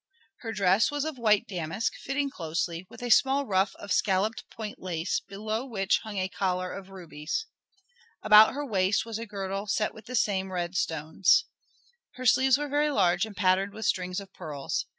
Her dress was of white damask, fitting closely, with a small ruff of scalloped point lace, below which hung a collar of rubies. About her waist was a girdle set with the same red stones. Her sleeves were very large and patterned with strings of pearls.